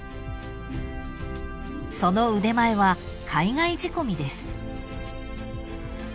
［その腕前は海外仕込みです］